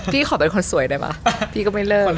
ขอเป็นคนสวยได้ป่ะพี่ก็ไม่เลิก